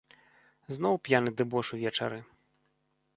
Зноў п'яны дэбош увечары.